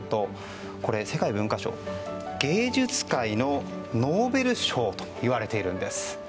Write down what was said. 世界文化賞、芸術界のノーベル賞といわれているんです。